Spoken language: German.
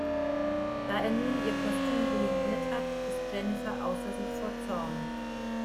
Da er nun ihr Kostüm ruiniert hat, ist Jennifer außer sich vor Zorn.